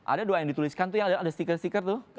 ada doa yang dituliskan tuh yang ada stiker stiker tuh